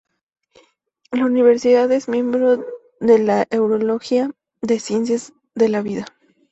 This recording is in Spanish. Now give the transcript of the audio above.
La Universidad es miembro de la Euroliga de Ciencias de la Vida.